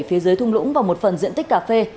phía dưới thung lũng và một phần diện tích cà phê